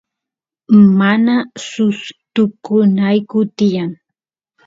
mana sustukunayku tiyan